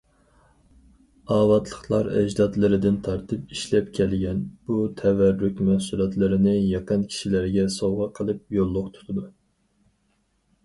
ئاۋاتلىقلار ئەجدادلىرىدىن تارتىپ ئىشلەپ كەلگەن بۇ تەۋەررۈك مەھسۇلاتلىرىنى يېقىن كىشىلىرىگە سوۋغا قىلىپ، يوللۇق تۇتىدۇ.